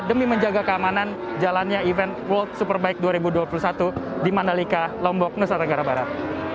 demi menjaga keamanan jalannya event world superbike dua ribu dua puluh satu di mandalika lombok nusa tenggara barat